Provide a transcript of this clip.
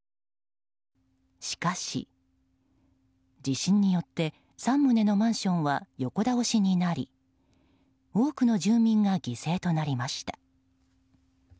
しかし、地震によって３棟のマンションは横倒しになり多くの住民が犠牲となりました。